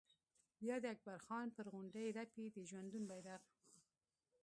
بیا د اکبر خان پر غونډۍ رپي د ژوندون بيرغ